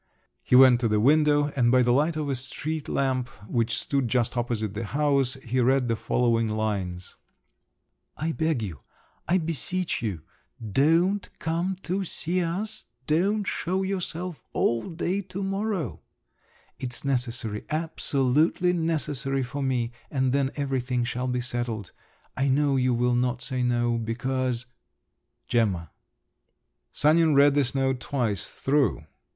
He went to the window, and by the light of a street lamp which stood just opposite the house, he read the following lines:— I beg you, I beseech you—don't come to see us, don't show yourself all day to morrow. It's necessary, absolutely necessary for me, and then everything shall be settled. I know you will not say no, because … "GEMMA." Sanin read this note twice through.